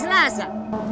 ada di sana